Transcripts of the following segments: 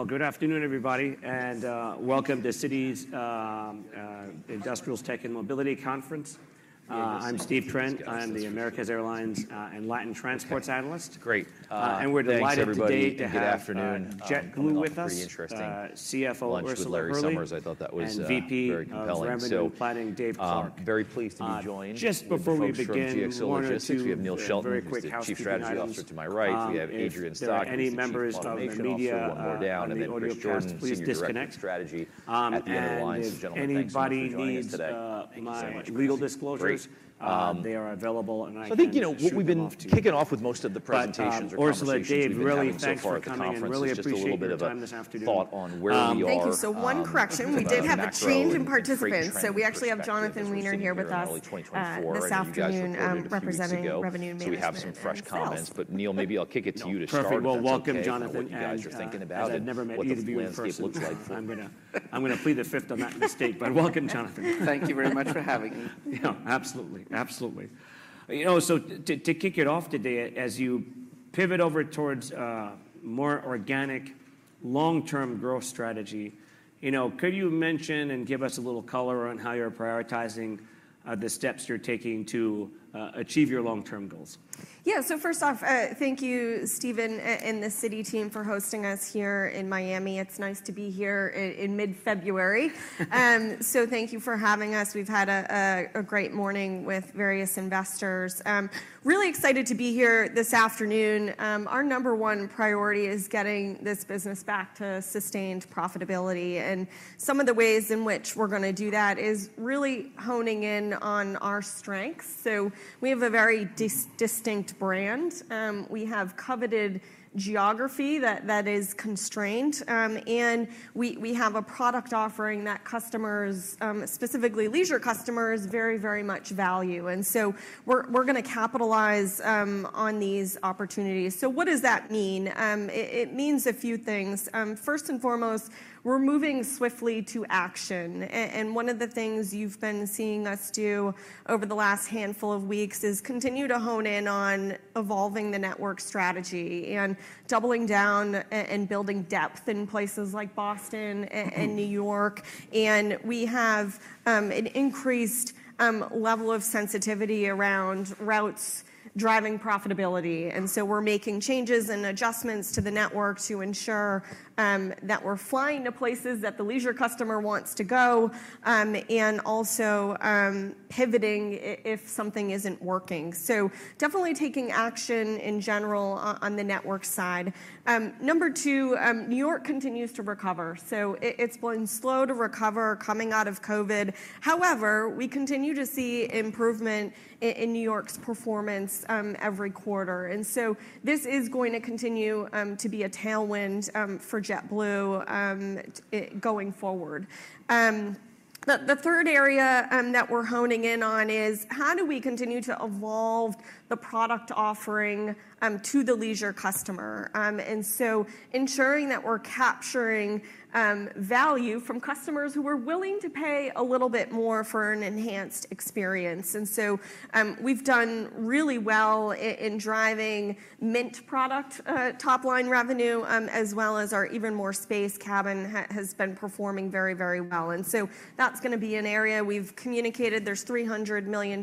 Well, good afternoon, everybody, and welcome to Citi's Industrials, Tech, and Mobility Conference. I'm Steve Trent. I am the Americas Airlines and Latin transports analyst. We're delighted today to have, JetBlue with us. CFO, Ursula Hurley and VP of Revenue Planning, Dave Clark. My legal disclosures. They are available, and I can shoot them off to you. Perfect. Well, welcome, Jonathan. As I've never met either of you in person. I'm gonna plead the Fifth on that mistake, but welcome, Jonathan. Thank you very much for having me. Yeah, absolutely. Absolutely. You know, so to kick it off today, as you pivot over towards a more organic, long-term growth strategy, you know, could you mention and give us a little color on how you're prioritizing the steps you're taking to achieve your long-term goals? Yeah. So first off, thank you, Stephen and the Citi team for hosting us here in Miami. It's nice to be here in mid-February. So thank you for having us. We've had a great morning with various investors. Really excited to be here this afternoon. Our number one priority is getting this business back to sustained profitability, and some of the ways in which we're gonna do that is really honing in on our strengths. So we have a very distinct brand, we have coveted geography that is constrained, and we have a product offering that customers, specifically leisure customers, very much value, and so we're gonna capitalize on these opportunities. So what does that mean? It means a few things. First and foremost, we're moving swiftly to action. One of the things you've been seeing us do over the last handful of weeks is continue to hone in on evolving the network strategy and doubling down and building depth in places like Boston and New York. We have an increased level of sensitivity around routes driving profitability, and so we're making changes and adjustments to the network to ensure that we're flying to places that the leisure customer wants to go, and also pivoting if something isn't working. So definitely taking action in general on the network side. Number two, New York continues to recover, so it's been slow to recover coming out of COVID. However, we continue to see improvement in New York's performance every quarter, and so this is going to continue to be a tailwind for JetBlue going forward. The third area that we're honing in on is: How do we continue to evolve the product offering to the leisure customer? And so ensuring that we're capturing value from customers who are willing to pay a little bit more for an enhanced experience. And so, we've done really well in driving Mint product top-line revenue, as well as our Even More Space cabin has been performing very, very well, and so that's gonna be an area we've communicated. There's $300 million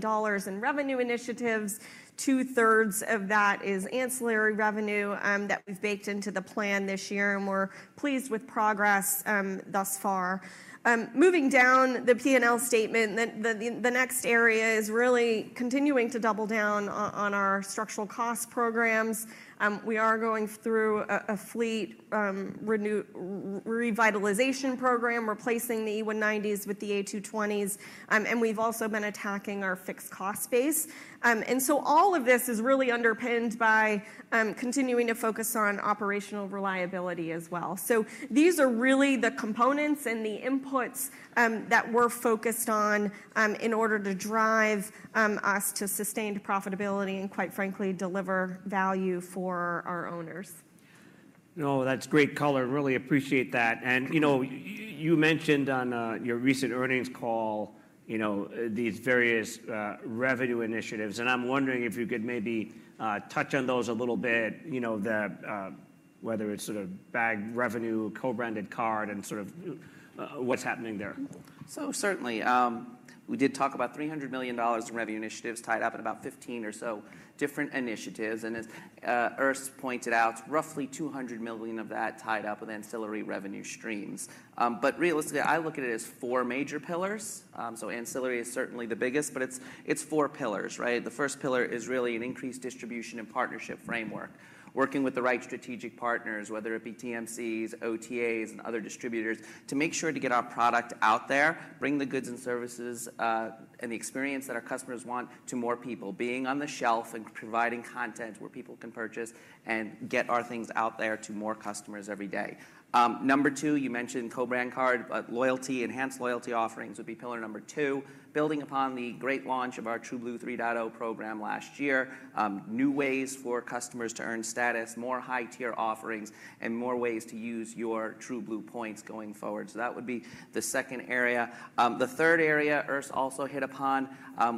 in revenue initiatives. Two-thirds of that is ancillary revenue that we've baked into the plan this year, and we're pleased with progress thus far. Moving down the P&L statement, the next area is really continuing to double down on our structural cost programs. We are going through a fleet revitalization program, replacing the E190s with the A220s, and we've also been attacking our fixed cost base. And so all of this is really underpinned by continuing to focus on operational reliability as well. So these are really the components and the inputs that we're focused on in order to drive us to sustained profitability and, quite frankly, deliver value for our owners. No, that's great color. Really appreciate that. And, you know, you mentioned on your recent earnings call, you know, these various revenue initiatives, and I'm wondering if you could maybe touch on those a little bit. You know, whether it's sort of bag revenue, co-branded card, and sort of what's happening there? So certainly, we did talk about $300 million in revenue initiatives tied up in about 15 or so different initiatives. And as Urs pointed out, roughly $200 million of that tied up with ancillary revenue streams. But realistically, I look at it as four major pillars. So ancillary is certainly the biggest, but it's, it's four pillars, right? The first pillar is really an increased distribution and partnership framework, working with the right strategic partners, whether it be TMCs, OTAs, and other distributors, to make sure to get our product out there, bring the goods and services, and the experience that our customers want to more people. Being on the shelf and providing content where people can purchase and get our things out there to more customers every day. Number two, you mentioned co-brand card, but loyalty, enhanced loyalty offerings would be pillar number two, building upon the great launch of our TrueBlue 3.0 program last year. New ways for customers to earn status, more high-tier offerings, and more ways to use your TrueBlue points going forward. So that would be the second area. The third area, Urs also hit upon,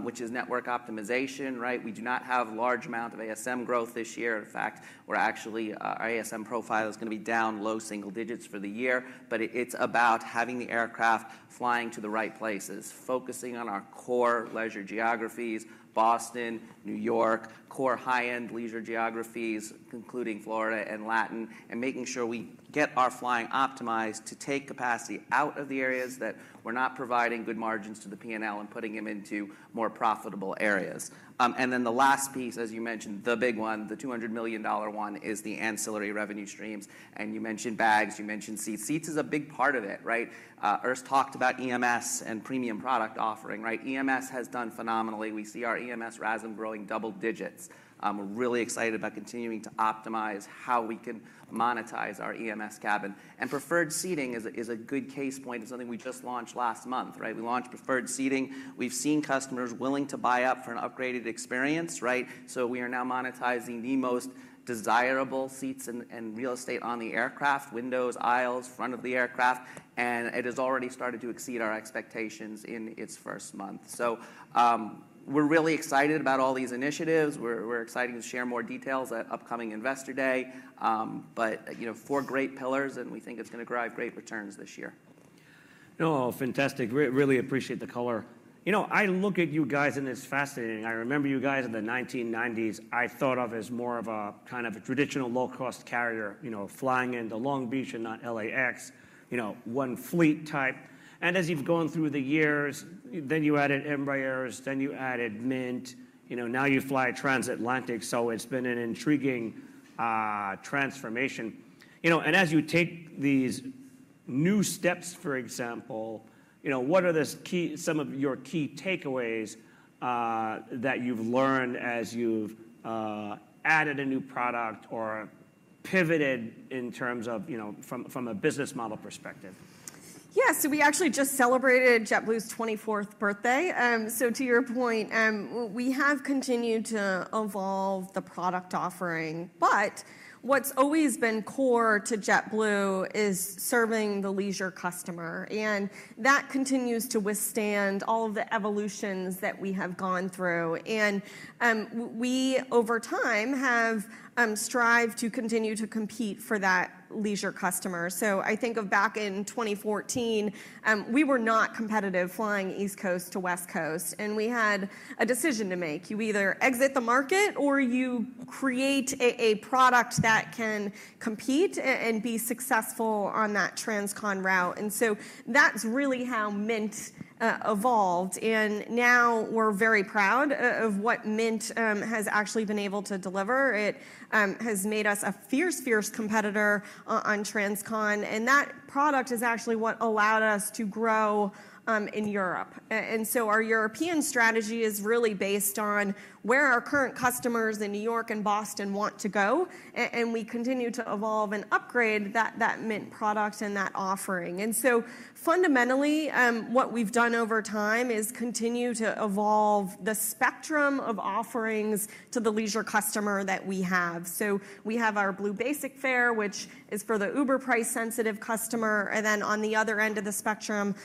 which is network optimization, right? We do not have large amount of ASM growth this year. In fact, we're actually, Our ASM profile is gonna be down low single digits for the year, but it's about having the aircraft flying to the right places, focusing on our core leisure geographies, Boston, New York, core high-end leisure geographies, including Florida and Latin, and making sure we get our flying optimized to take capacity out of the areas that we're not providing good margins to the P&L and putting them into more profitable areas. And then the last piece, as you mentioned, the big one, the $200 million one, is the ancillary revenue streams, and you mentioned bags, you mentioned seats. Seats is a big part of it, right? Urs talked about EMS and premium product offering, right? EMS has done phenomenally. We see our EMS RASM growing double digits. We're really excited about continuing to optimize how we can monetize our EMS cabin. Preferred seating is a good case in point and something we just launched last month, right? We launched preferred seating. We've seen customers willing to buy up for an upgraded experience, right? So we are now monetizing the most desirable seats and real estate on the aircraft, windows, aisles, front of the aircraft, and it has already started to exceed our expectations in its first month. So, we're really excited about all these initiatives. We're excited to share more details at upcoming Investor Day. But, you know, four great pillars, and we think it's gonna drive great returns this year. No, fantastic. Really appreciate the color. You know, I look at you guys, and it's fascinating. I remember you guys in the 1990s, I thought of as more of a, kind of a traditional low-cost carrier, you know, flying into Long Beach and not LAX, you know, one fleet type. As you've gone through the years, then you added Embraers, then you added Mint, you know, now you fly transatlantic, so it's been an intriguing transformation. You know, and as you take these new steps, for example, you know, what are the key, some of your key takeaways, that you've learned as you've added a new product or pivoted in terms of, you know, from a business model perspective? Yeah, so we actually just celebrated JetBlue's 24th birthday. So to your point, we have continued to evolve the product offering, but what's always been core to JetBlue is serving the leisure customer, and that continues to withstand all of the evolutions that we have gone through. And we, over time, have strived to continue to compete for that leisure customer. So I think of back in 2014, we were not competitive flying East Coast to West Coast, and we had a decision to make. You either exit the market, or you create a product that can compete and be successful on that transcon route. And so that's really how Mint evolved, and now we're very proud of what Mint has actually been able to deliver. It has made us a fierce, fierce competitor on transcon, and that product is actually what allowed us to grow in Europe. And so our European strategy is really based on where our current customers in New York and Boston want to go, and we continue to evolve and upgrade that Mint product and that offering. And so fundamentally, what we've done over time is continue to evolve the spectrum of offerings to the leisure customer that we have. So we have our Blue Basic fare, which is for the uber price-sensitive customer, and then on the other end of the spectrum,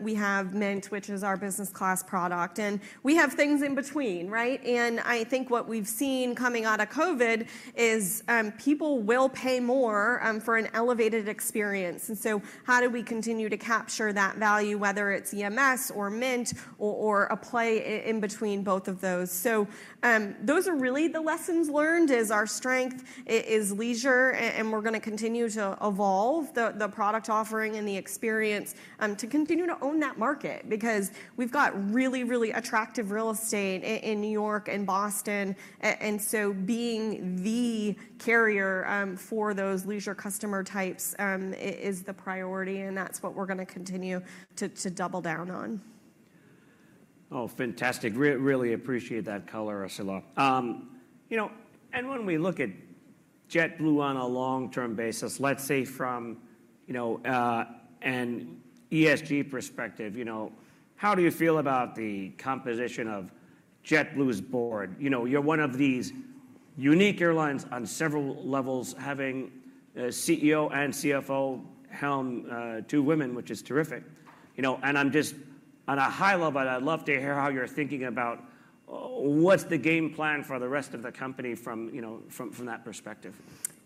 we have Mint, which is our business class product. And we have things in between, right? And I think what we've seen coming out of COVID is, people will pay more for an elevated experience. And so how do we continue to capture that value, whether it's EMS or Mint or a play in between both of those? So, those are really the lessons learned; our strength is leisure, and we're gonna continue to evolve the product offering and the experience to continue to own that market. Because we've got really, really attractive real estate in New York and Boston, and so being the carrier for those leisure customer types is the priority, and that's what we're gonna continue to double down on. Oh, fantastic. Really appreciate that color, Ursula. You know, and when we look at JetBlue on a long-term basis, let's say from, you know, an ESG perspective, you know, how do you feel about the composition of JetBlue's board. You know, you're one of these unique airlines on several levels, having a CEO and CFO helm two women, which is terrific. You know, and I'm just, on a high level, I'd love to hear how you're thinking about what's the game plan for the rest of the company from, you know, from that perspective?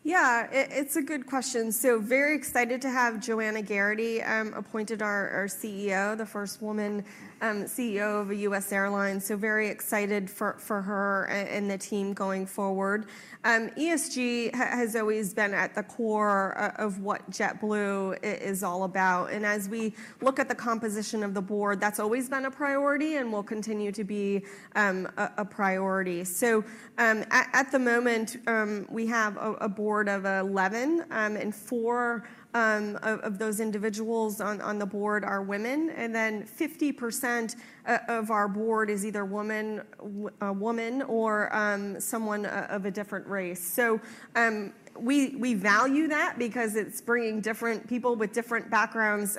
Yeah, it's a good question. So very excited to have Joanna Geraghty appointed our CEO, the first woman CEO of a U.S. airline, so very excited for her and the team going forward. ESG has always been at the core of what JetBlue is all about, and as we look at the composition of the board, that's always been a priority and will continue to be a priority. So at the moment, we have a board of 11, and 4 of those individuals on the board are women, and then 50% of our board is either a woman or someone of a different race. So, we value that because it's bringing different people with different backgrounds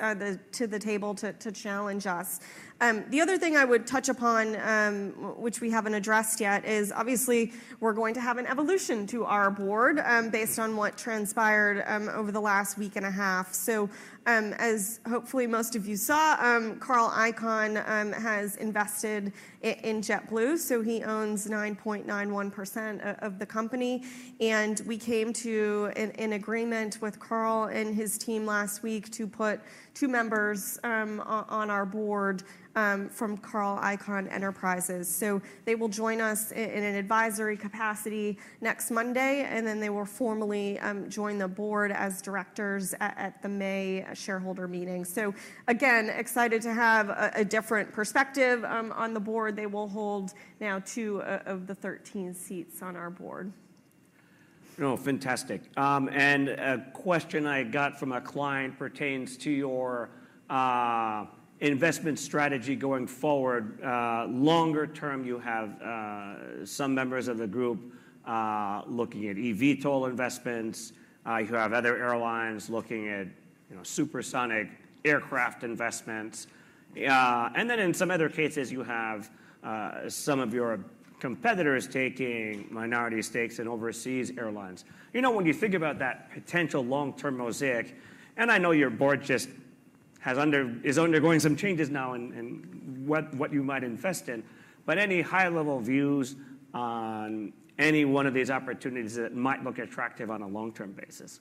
to the table to challenge us. The other thing I would touch upon, which we haven't addressed yet, is obviously we're going to have an evolution to our board based on what transpired over the last week and a half. So, as hopefully most of you saw, Carl Icahn has invested in JetBlue, so he owns 9.91% of the company, and we came to an agreement with Carl and his team last week to put two members on our board from Carl Icahn Enterprises. So they will join us in an advisory capacity next Monday, and then they will formally join the board as directors at the May shareholder meeting. Again, excited to have a different perspective on the board. They will hold now two of the 13 seats on our board. Oh, fantastic. A question I got from a client pertains to your investment strategy going forward. Longer term, you have some members of the group looking at eVTOL investments. You have other airlines looking at, you know, supersonic aircraft investments. And then in some other cases, you have some of your competitors taking minority stakes in overseas airlines. You know, when you think about that potential long-term mosaic, and I know your board is undergoing some changes now and what you might invest in, but any high-level views on any one of these opportunities that might look attractive on a long-term basis?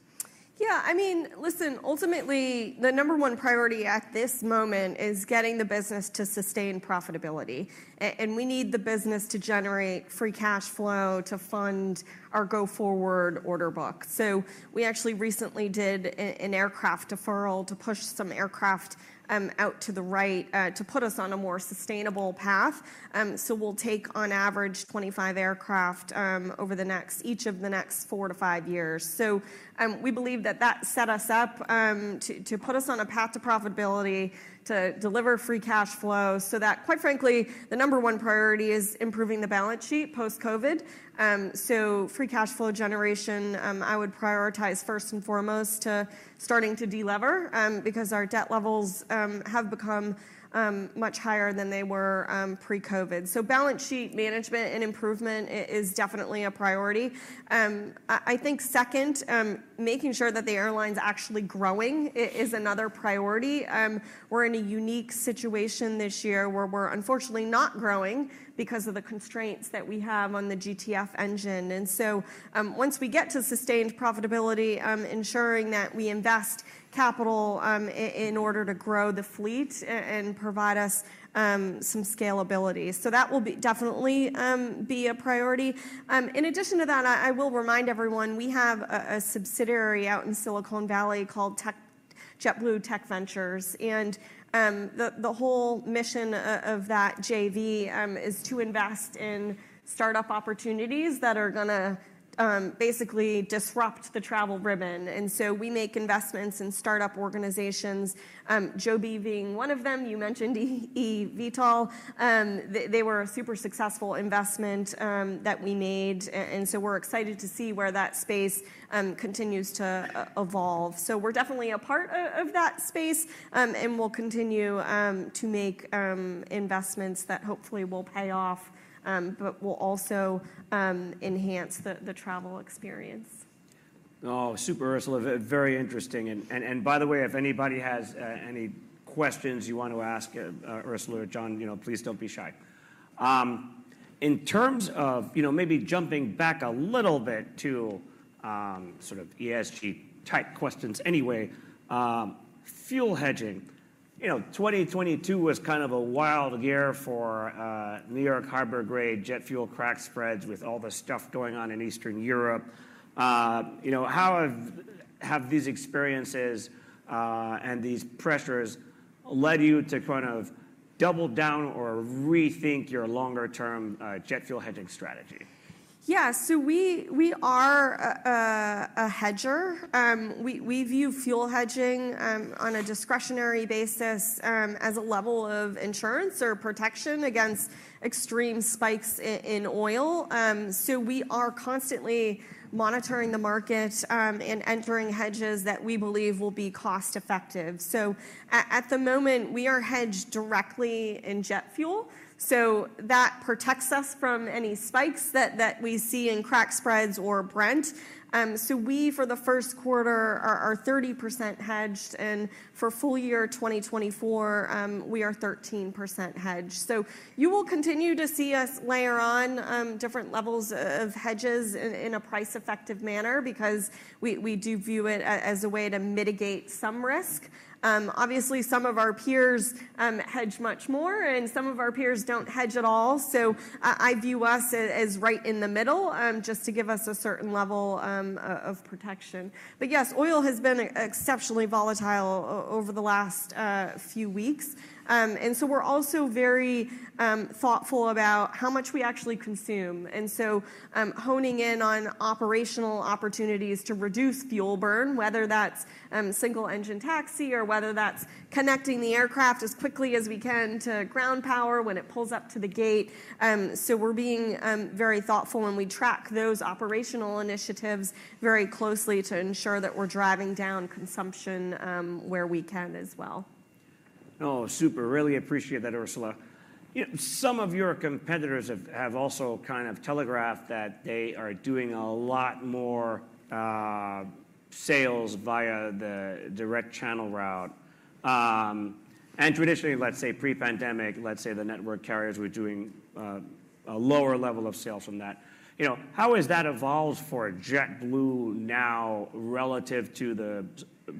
Yeah, I mean, listen, ultimately, the number one priority at this moment is getting the business to sustain profitability. And we need the business to generate free cash flow to fund our go-forward order book. So we actually recently did an aircraft deferral to push some aircraft out to the right to put us on a more sustainable path. So we'll take, on average, 25 aircraft over each of the next four to five years. So we believe that that set us up to put us on a path to profitability, to deliver free cash flow, so that, quite frankly, the number one priority is improving the balance sheet post-COVID. So free cash flow generation, I would prioritize first and foremost to starting to de-lever, because our debt levels have become much higher than they were pre-COVID. So balance sheet management and improvement is definitely a priority. I think second, making sure that the airline's actually growing is another priority. We're in a unique situation this year, where we're unfortunately not growing because of the constraints that we have on the GTF engine. And so, once we get to sustained profitability, ensuring that we invest capital in order to grow the fleet and provide us some scalability. So that will definitely be a priority. In addition to that, I will remind everyone, we have a subsidiary out in Silicon Valley called JetBlue Tech Ventures, and the whole mission of that JV is to invest in startup opportunities that are gonna basically disrupt the travel industry. And so we make investments in startup organizations, Joby being one of them. You mentioned eVTOL. They were a super successful investment that we made, and so we're excited to see where that space continues to evolve. So we're definitely a part of that space, and we'll continue to make investments that hopefully will pay off, but will also enhance the travel experience. Oh, super, Ursula. Very interesting, and by the way, if anybody has any questions you want to ask, Ursula or John, you know, please don't be shy. In terms of, you know, maybe jumping back a little bit to sort of ESG-type questions anyway, fuel hedging. You know, 2022 was kind of a wild year for New York Harbor grade jet fuel crack spreads with all the stuff going on in Eastern Europe. You know, how have these experiences and these pressures led you to kind of double down or rethink your longer-term jet fuel hedging strategy? Yeah, so we, we are a, a hedger. We, we view fuel hedging on a discretionary basis as a level of insurance or protection against extreme spikes in, in oil. So we are constantly monitoring the market and entering hedges that we believe will be cost-effective. So at, at the moment, we are hedged directly in jet fuel, so that protects us from any spikes that, that we see in crack spreads or Brent. So we, for the first quarter, are, are 30% hedged, and for full year 2024, we are 13% hedged. So you will continue to see us layer on different levels of, of hedges in, in a price-effective manner because we, we do view it as a way to mitigate some risk. Obviously, some of our peers hedge much more, and some of our peers don't hedge at all. So I view us as right in the middle, just to give us a certain level of protection. But yes, oil has been exceptionally volatile over the last few weeks. And so we're also very thoughtful about how much we actually consume, and so honing in on operational opportunities to reduce fuel burn, whether that's single-engine taxi or whether that's connecting the aircraft as quickly as we can to ground power when it pulls up to the gate. So we're being very thoughtful when we track those operational initiatives very closely to ensure that we're driving down consumption where we can as well. Oh, super. Really appreciate that, Ursula. You know, some of your competitors have also kind of telegraphed that they are doing a lot more sales via the direct channel route. And traditionally, let's say pre-pandemic, let's say the network carriers were doing a lower level of sales from that. You know, how has that evolved for JetBlue now, relative to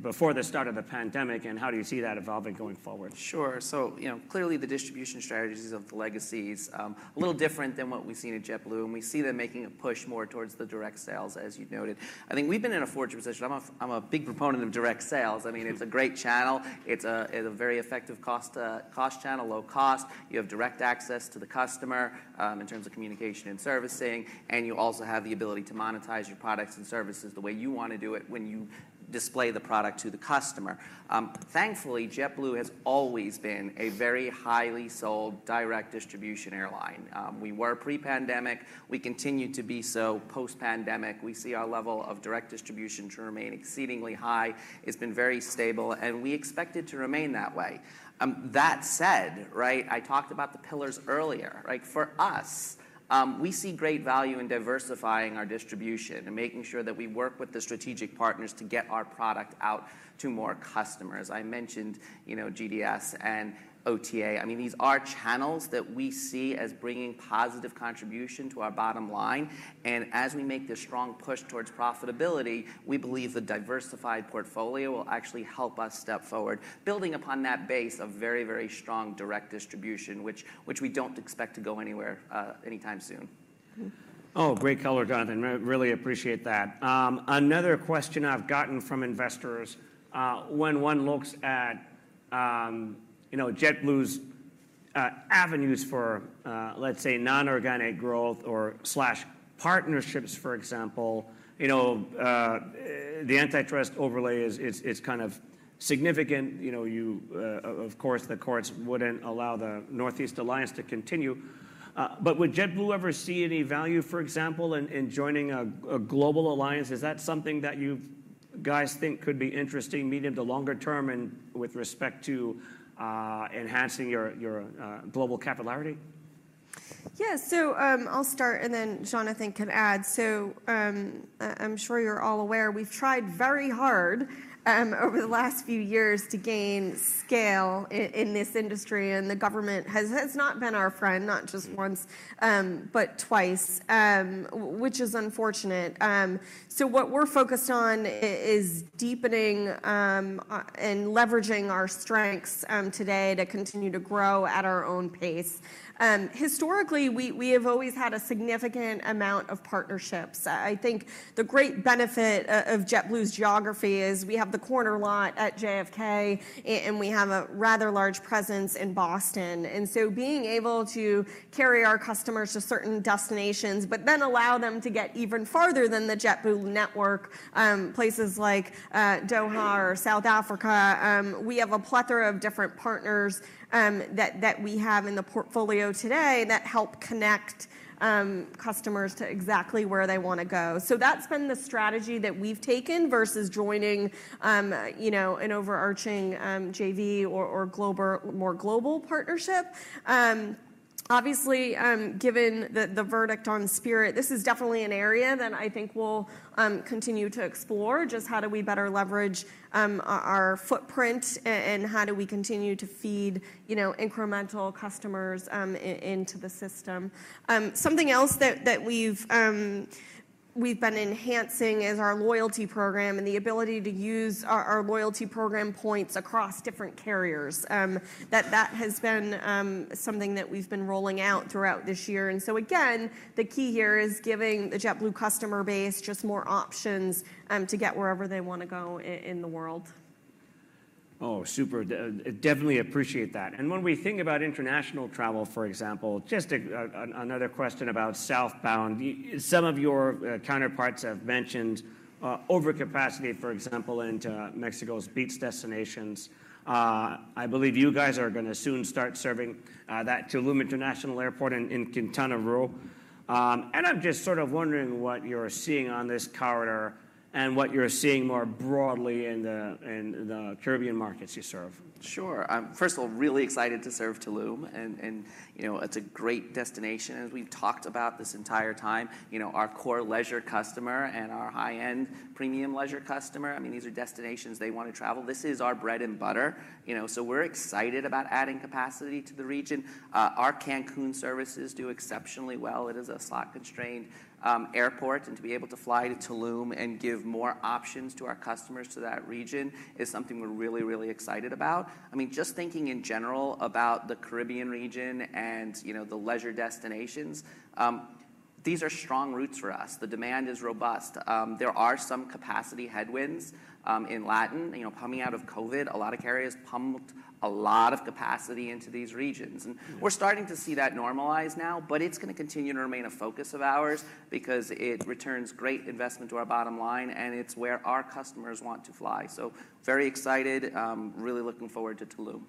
before the start of the pandemic, and how do you see that evolving going forward? Sure. So, you know, clearly the distribution strategies of the legacies, a little different than what we've seen at JetBlue, and we see them making a push more towards the direct sales, as you noted. I think we've been in a fortunate position. I'm a big proponent of direct sales. I mean, it's a great channel. It's a very effective cost channel, low cost. You have direct access to the customer, in terms of communication and servicing, and you also have the ability to monetize your products and services the way you want to do it when you display the product to the customer. Thankfully, JetBlue has always been a very highly sold, direct distribution airline. We were pre-pandemic, we continue to be so post-pandemic. We see our level of direct distribution to remain exceedingly high. It's been very stable, and we expect it to remain that way. That said, right, I talked about the pillars earlier. Like, for us, we see great value in diversifying our distribution and making sure that we work with the strategic partners to get our product out to more customers. I mentioned, you know, GDS and OTA. I mean, these are channels that we see as bringing positive contribution to our bottom line, and as we make this strong push towards profitability, we believe the diversified portfolio will actually help us step forward, building upon that base of very, very strong direct distribution, which we don't expect to go anywhere, anytime soon. Oh, great color, Jonathan. Really appreciate that. Another question I've gotten from investors, when one looks at, you know, JetBlue's avenues for, let's say, non-organic growth or slash partnerships, for example, you know, the antitrust overlay is kind of significant. You know, you... Of course, the courts wouldn't allow the Northeast Alliance to continue, but would JetBlue ever see any value, for example, in joining a global alliance? Is that something that you guys think could be interesting medium to longer term and with respect to enhancing your global capillarity? Yeah. So, I'll start, and then Jonathan can add. So, I'm sure you're all aware, we've tried very hard over the last few years to gain scale in this industry, and the government has not been our friend, not just once, but twice, which is unfortunate. So what we're focused on is deepening and leveraging our strengths today to continue to grow at our own pace. Historically, we have always had a significant amount of partnerships. I think the great benefit of JetBlue's geography is we have the corner lot at JFK, and we have a rather large presence in Boston. And so being able to carry our customers to certain destinations, but then allow them to get even farther than the JetBlue network, places like Doha or South Africa, we have a plethora of different partners that we have in the portfolio today that help connect customers to exactly where they want to go. So that's been the strategy that we've taken versus joining, you know, an overarching JV or global, more global partnership. Obviously, given the verdict on Spirit, this is definitely an area that I think we'll continue to explore, just how do we better leverage our footprint and how do we continue to feed, you know, incremental customers into the system? Something else that we've been enhancing is our loyalty program and the ability to use our loyalty program points across different carriers. That has been something that we've been rolling out throughout this year. And so again, the key here is giving the JetBlue customer base just more options to get wherever they want to go in the world. Oh, super! Definitely appreciate that. And when we think about international travel, for example, just another question about southbound. Some of your counterparts have mentioned overcapacity, for example, into Mexico's beach destinations. I believe you guys are gonna soon start serving that Tulum International Airport in Quintana Roo. And I'm just sort of wondering what you're seeing on this corridor and what you're seeing more broadly in the Caribbean markets you serve. Sure. I'm first of all really excited to serve Tulum and, you know, it's a great destination. As we've talked about this entire time, you know, our core leisure customer and our high-end premium leisure customer, I mean, these are destinations they want to travel. This is our bread and butter, you know, so we're excited about adding capacity to the region. Our Cancun services do exceptionally well. It is a slot-constrained airport, and to be able to fly to Tulum and give more options to our customers to that region is something we're really, really excited about. I mean, just thinking in general about the Caribbean region and, you know, the leisure destinations, these are strong routes for us. The demand is robust. There are some capacity headwinds in Latin. You know, coming out of COVID, a lot of carriers pumped a lot of capacity into these regions. We're starting to see that normalize now, but it's gonna continue to remain a focus of ours because it returns great investment to our bottom line, and it's where our customers want to fly. Very excited. Really looking forward to Tulum.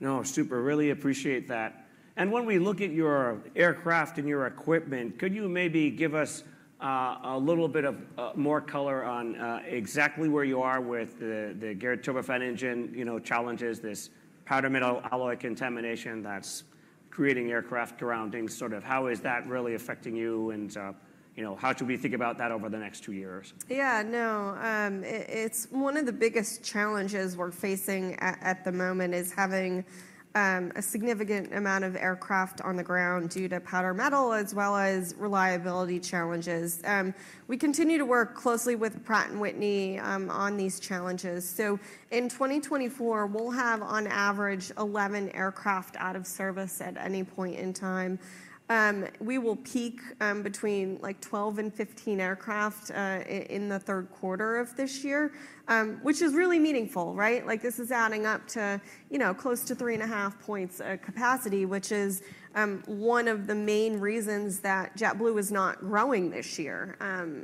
No, super, really appreciate that. And when we look at your aircraft and your equipment, could you maybe give us a little bit of more color on exactly where you are with the geared turbofan engine, you know, challenges, this powder metal alloy contamination that's creating aircraft grounding, sort of? How is that really affecting you, and you know, how should we think about that over the next two years? Yeah, no. It's one of the biggest challenges we're facing at the moment, is having a significant amount of aircraft on the ground due to Powder Metal, as well as reliability challenges. We continue to work closely with Pratt & Whitney on these challenges. So in 2024, we'll have, on average, 11 aircraft out of service at any point in time. We will peak between, like, 12-15 aircraft in the third quarter of this year, which is really meaningful, right? Like, this is adding up to, you know, close to 3.5 points capacity, which is one of the main reasons that JetBlue is not growing this year.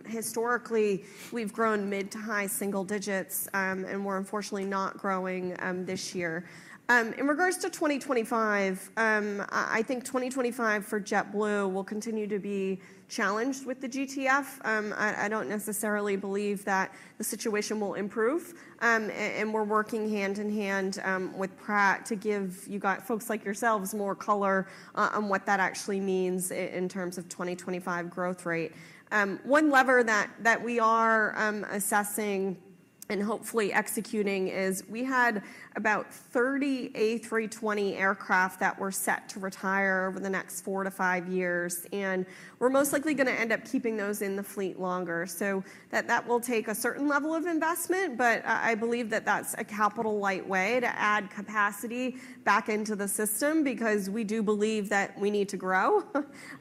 Historically, we've grown mid to high single digits, and we're unfortunately not growing this year. In regards to 2025, I think 2025 for JetBlue will continue to be challenged with the GTF. I don't necessarily believe that the situation will improve. And we're working hand in hand with Pratt to give folks like yourselves more color on what that actually means in terms of 2025 growth rate. One lever that we are assessing and hopefully executing is we had about 30 A320 aircraft that were set to retire over the next 4-5 years, and we're most likely gonna end up keeping those in the fleet longer. So that will take a certain level of investment, but I believe that that's a capital-light way to add capacity back into the system because we do believe that we need to grow.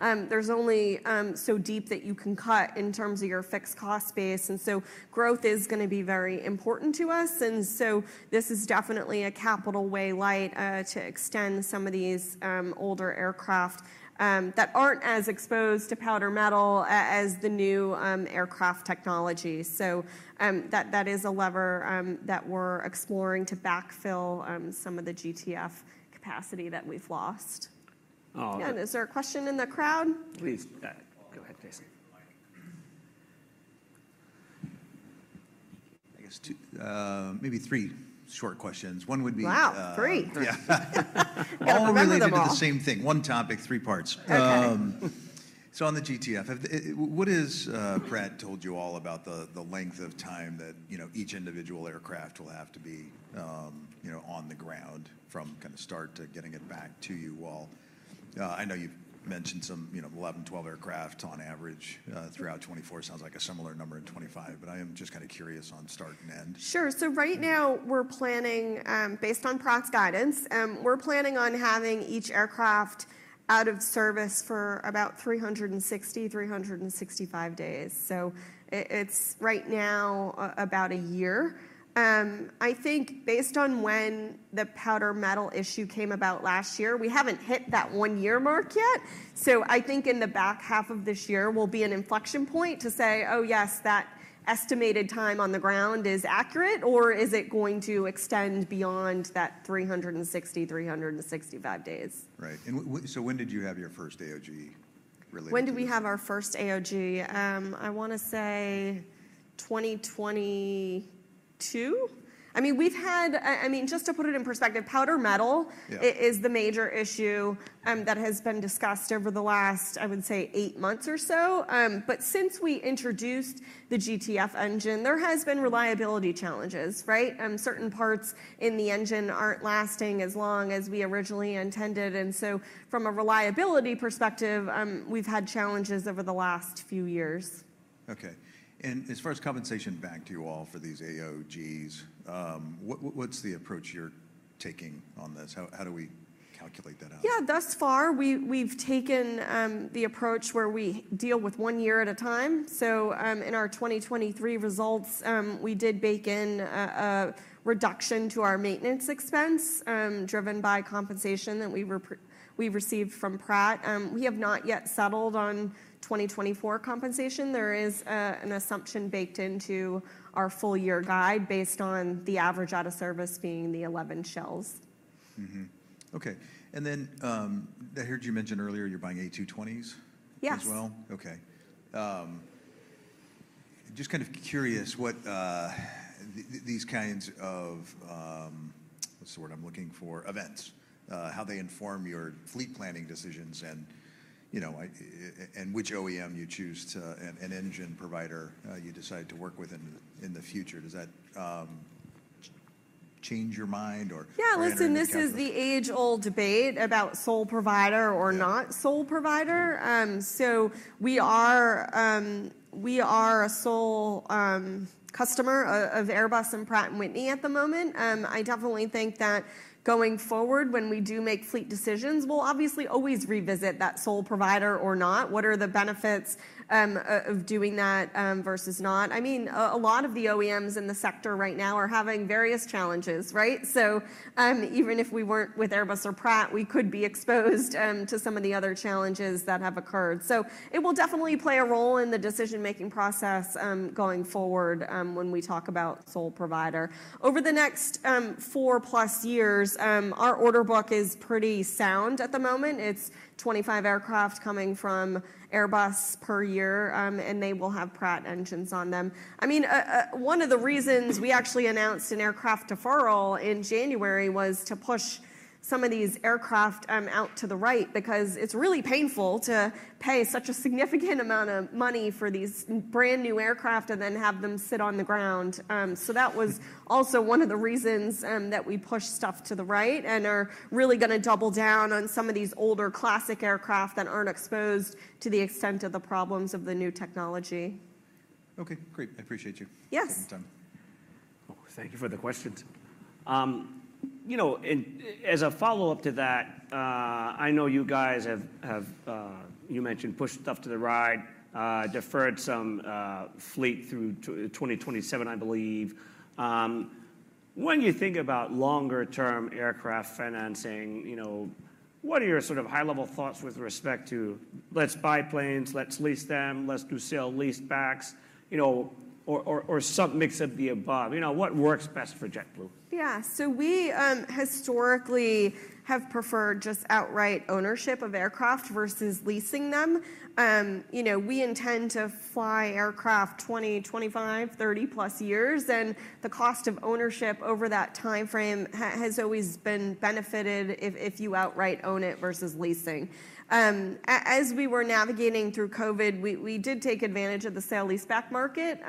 There's only so deep that you can cut in terms of your fixed cost base, and so growth is gonna be very important to us. And so this is definitely a capital-light way to extend some of these older aircraft that aren't as exposed to powder metal as the new aircraft technology. So, that is a lever that we're exploring to backfill some of the GTF capacity that we've lost. Oh, okay. Is there a question in the crowd? Please, go ahead, Jason. I guess two, maybe three short questions. One would be Wow, three! Uh, yeah. You got three of them all. All related to the same thing. One topic, three parts. Okay. So on the GTF, what has Pratt told you all about the length of time that, you know, each individual aircraft will have to be, you know, on the ground, from kind of start to getting it back to you all? I know you've mentioned some, you know, 11, 12 aircraft on average throughout 2024. Sounds like a similar number in 2025, but I am just kind of curious on start and end. Sure. So right now, we're planning, based on Pratt's guidance, we're planning on having each aircraft out of service for about 360-365 days. So it's right now about a year. I think based on when the powder metal issue came about last year, we haven't hit that one-year mark yet. So I think in the back half of this year will be an inflection point to say, "Oh, yes, that estimated time on the ground is accurate," or is it going to extend beyond that 360-365 days? Right. And so when did you have your first AOG related to this? When did we have our first AOG? I want to say 2022. I mean, we've had. I mean, just to put it in perspective, Powder Metal Yeah It is the major issue that has been discussed over the last, I would say, 8 months or so. But since we introduced the GTF engine, there has been reliability challenges, right? Certain parts in the engine aren't lasting as long as we originally intended, and so from a reliability perspective, we've had challenges over the last few years. Okay. As far as compensation back to you all for these AOGs, what’s the approach you’re taking on this? How do we calculate that out? Yeah, thus far, we've taken the approach where we deal with one year at a time. So, in our 2023 results, we did bake in a reduction to our maintenance expense, driven by compensation that we received from Pratt. We have not yet settled on 2024 compensation. There is an assumption baked into our full year guide based on the average out of service being the 11 shells. Okay, and then, I heard you mention earlier you're buying A220s Yes As well? Okay. Just kind of curious what these kinds of, what's the word I'm looking for? Events, how they inform your fleet planning decisions and, you know, and which OEM you choose to, and an engine provider you decide to work with in the future. Does that change your mind or- Yeah, listen Reiterate what you have? This is the age-old debate about sole provider or not- Yeah Sole provider. So we are, we are a sole, customer of Airbus and Pratt & Whitney at the moment. I definitely think that going forward, when we do make fleet decisions, we'll obviously always revisit that sole provider or not. What are the benefits, of doing that, versus not? I mean, a, a lot of the OEMs in the sector right now are having various challenges, right? So, even if we weren't with Airbus or Pratt, we could be exposed, to some of the other challenges that have occurred. So it will definitely play a role in the decision-making process, going forward, when we talk about sole provider. Over the next, four-plus years, our order book is pretty sound at the moment. It's 25 aircraft coming from Airbus per year, and they will have Pratt engines on them. I mean, one of the reasons we actually announced an aircraft deferral in January was to push some of these aircraft out to the right, because it's really painful to pay such a significant amount of money for these brand-new aircraft and then have them sit on the ground. So that was also one of the reasons that we pushed stuff to the right and are really gonna double down on some of these older classic aircraft that aren't exposed to the extent of the problems of the new technology. Okay, great. I appreciate you Yes Taking the time. Oh, thank you for the questions. You know, and as a follow-up to that, I know you guys have, have, you mentioned, pushed stuff to the right, deferred some fleet through 2027, I believe. When you think about longer-term aircraft financing, you know, what are your sort of high-level thoughts with respect to, "Let's buy planes, let's lease them, let's do sale leasebacks," you know, or, or, or some mix of the above? You know, what works best for JetBlue? Yeah. So we historically have preferred just outright ownership of aircraft versus leasing them. You know, we intend to fly aircraft 20, 25, 30-plus years, and the cost of ownership over that timeframe has always been benefited if you outright own it versus leasing. As we were navigating through COVID, we did take advantage of the sale-leaseback market.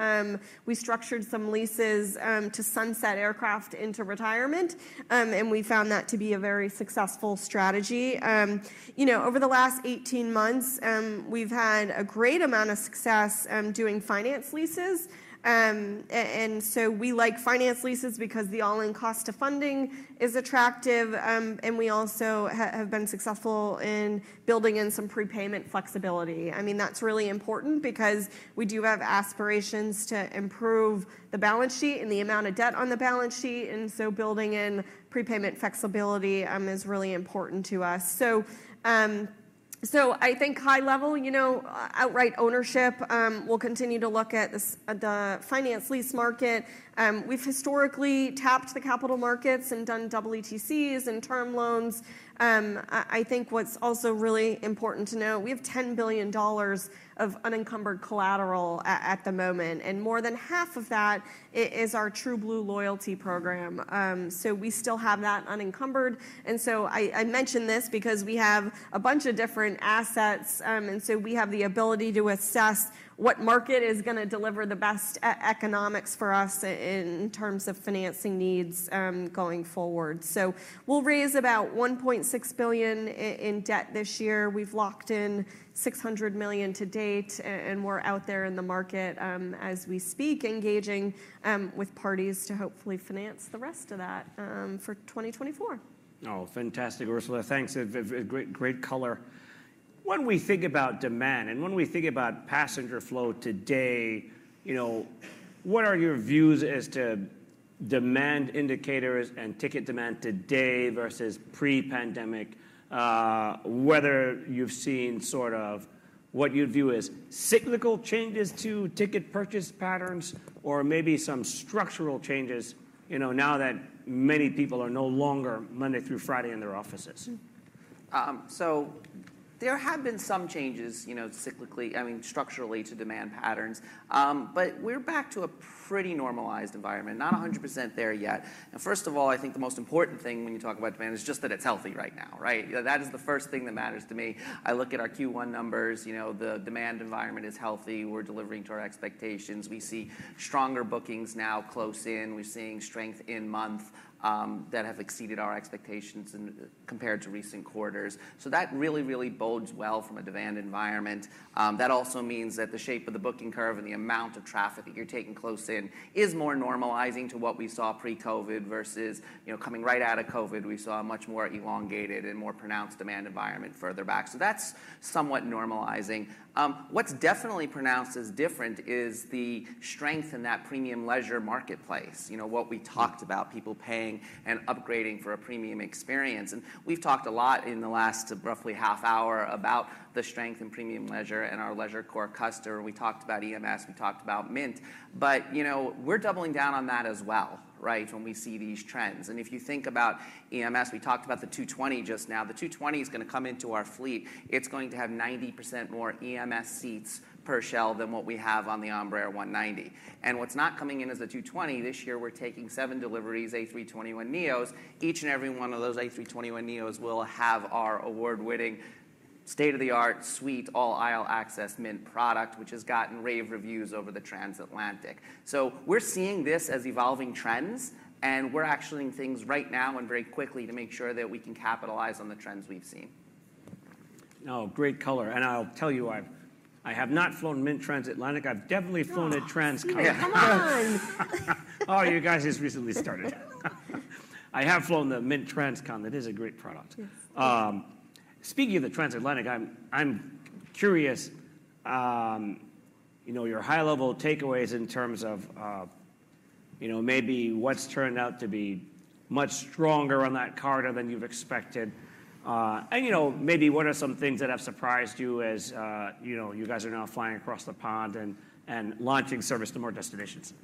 We structured some leases to sunset aircraft into retirement, and we found that to be a very successful strategy. You know, over the last 18 months, we've had a great amount of success doing finance leases. And so we like finance leases because the all-in cost of funding is attractive, and we also have been successful in building in some prepayment flexibility. I mean, that's really important because we do have aspirations to improve the balance sheet and the amount of debt on the balance sheet, and so building in prepayment flexibility is really important to us. So, so I think high level, you know, outright ownership, we'll continue to look at the the finance lease market. We've historically tapped the capital markets and done WTCs and term loans. I, I think what's also really important to note, we have $10 billion of unencumbered collateral at the moment, and more than half of that is our TrueBlue loyalty program. So we still have that unencumbered. And so I mention this because we have a bunch of different assets, and so we have the ability to assess what market is gonna deliver the best economics for us in terms of financing needs, going forward. So we'll raise about $1.6 billion in debt this year. We've locked in $600 million to date, and we're out there in the market, as we speak, engaging with parties to hopefully finance the rest of that, for 2024. Oh, fantastic, Ursula. Thanks. Great, great color. When we think about demand, and when we think about passenger flow today, you know, what are your views as to demand indicators and ticket demand today versus pre-pandemic? Whether you've seen sort of what you'd view as cyclical changes to ticket purchase patterns or maybe some structural changes, you know, now that many people are no longer Monday through Friday in their offices. So there have been some changes, you know, cyclically, I mean, structurally, to demand patterns. But we're back to a pre- Pretty normalized environment, not 100% there yet. And first of all, I think the most important thing when you talk about demand is just that it's healthy right now, right? You know, that is the first thing that matters to me. I look at our Q1 numbers, you know, the demand environment is healthy. We're delivering to our expectations. We see stronger bookings now close in. We're seeing strength in month that have exceeded our expectations in, compared to recent quarters. So that really, really bodes well from a demand environment. That also means that the shape of the booking curve and the amount of traffic that you're taking close in is more normalizing to what we saw pre-COVID versus, you know, coming right out of COVID, we saw a much more elongated and more pronounced demand environment further back. So that's somewhat normalizing. What's definitely pronounced as different is the strength in that premium leisure marketplace. You know, what we talked about, people paying and upgrading for a premium experience, and we've talked a lot in the last roughly half hour about the strength in premium leisure and our leisure core customer. We talked about EMS, we talked about Mint, but, you know, we're doubling down on that as well, right, when we see these trends. And if you think about EMS, we talked about the A220 just now. The A220 is gonna come into our fleet. It's going to have 90% more EMS seats per shell than what we have on the Embraer E190. And what's not coming in as a A220 this year, we're taking 7 deliveries, A321neos. Each and every one of those A321neos will have our award-winning, state-of-the-art, suite, all aisle access Mint product, which has gotten rave reviews over the transatlantic. So we're seeing this as evolving trends, and we're actioning things right now and very quickly to make sure that we can capitalize on the trends we've seen. Oh, great color, and I'll tell you, I have not flown Mint transatlantic. I've definitely flown a transcon. Come on! Oh, you guys just recently started that. I have flown the Mint transcon. That is a great product. Yes. Speaking of the transatlantic, I'm curious, you know, your high-level takeaways in terms of, you know, maybe what's turned out to be much stronger on that corridor than you've expected. You know, maybe what are some things that have surprised you as, you know, you guys are now flying across the pond and launching service to more destinations?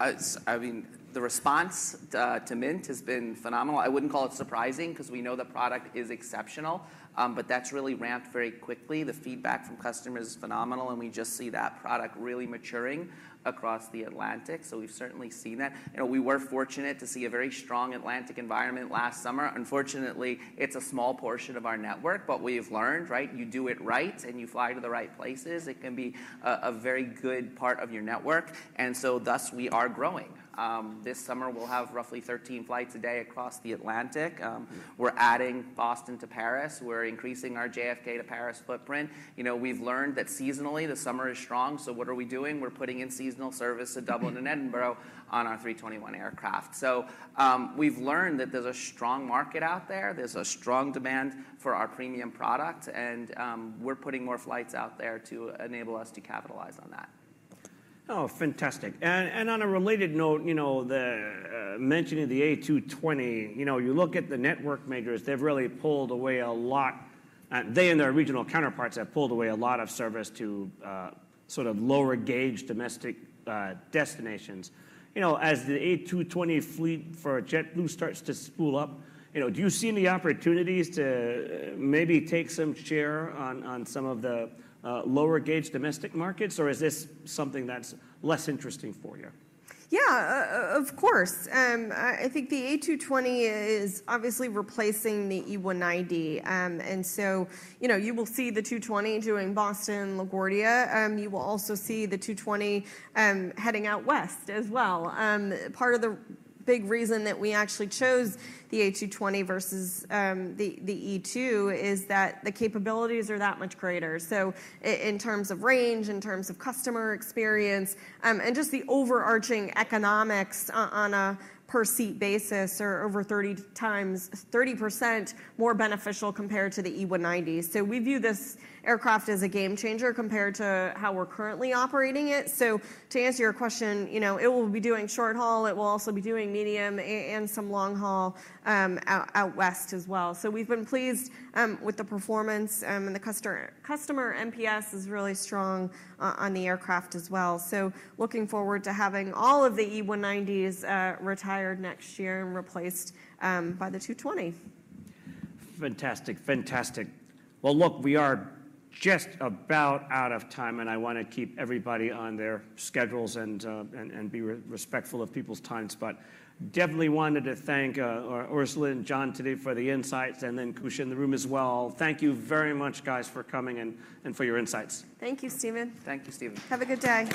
I mean, the response to Mint has been phenomenal. I wouldn't call it surprising, 'cause we know the product is exceptional. But that's really ramped very quickly. The feedback from customers is phenomenal, and we just see that product really maturing across the Atlantic, so we've certainly seen that. You know, we were fortunate to see a very strong Atlantic environment last summer. Unfortunately, it's a small portion of our network, but we've learned, right? You do it right, and you fly to the right places, it can be a very good part of your network, and so thus, we are growing. This summer we'll have roughly 13 flights a day across the Atlantic. We're adding Boston to Paris. We're increasing our JFK to Paris footprint. You know, we've learned that seasonally, the summer is strong, so what are we doing? We're putting in seasonal service to Dublin and Edinburgh on our 321 aircraft. So, we've learned that there's a strong market out there. There's a strong demand for our premium product, and, we're putting more flights out there to enable us to capitalize on that. Oh, fantastic. And, and on a related note, you know, the mentioning the A220, you know, you look at the network majors, they've really pulled away a lot, they and their regional counterparts have pulled away a lot of service to, sort of lower gauge domestic destinations. You know, as the A220 fleet for JetBlue starts to spool up, you know, do you see any opportunities to maybe take some share on, on some of the lower gauge domestic markets, or is this something that's less interesting for you? Yeah, of course. I think the A220 is obviously replacing the E190. And so, you know, you will see the 220 doing Boston, LaGuardia. You will also see the 220 heading out west as well. Part of the big reason that we actually chose the A220 versus the E2 is that the capabilities are that much greater. So in terms of range, in terms of customer experience, and just the overarching economics on a per seat basis are over 30% more beneficial compared to the E190s. So we view this aircraft as a game changer compared to how we're currently operating it. So to answer your question, you know, it will be doing short haul. It will also be doing medium and some long haul out west as well. So we've been pleased with the performance, and the customer NPS is really strong on the aircraft as well. So looking forward to having all of the E190s retired next year and replaced by the 220. Fantastic. Fantastic. Well, look, we are just about out of time, and I want to keep everybody on their schedules and be respectful of people's times, but definitely wanted to thank Jonathan and Ursula today for the insights, and then Kush in the room as well. Thank you very much, guys, for coming and for your insights. Thank you, Stephen. Thank you, Stephen. Have a good day.